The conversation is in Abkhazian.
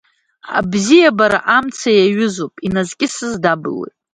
Абзиабара амца иаҩызоуп, иназкьысыз дабылуеит.